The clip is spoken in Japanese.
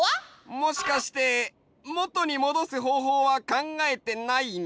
もしかしてもとにもどすほうほうはかんがえてないの？